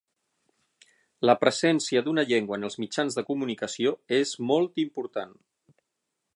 La presència d’una llengua en els mitjans de comunicació és molt important.